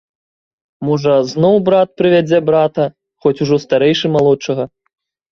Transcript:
Можа, зноў брат прывядзе брата, хоць ужо старэйшы малодшага.